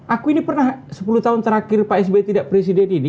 aku ini pernah sepuluh tahun terakhir pak sby tidak presiden ini